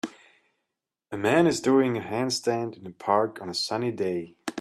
A man is doing a handstand in a park on a sunny day.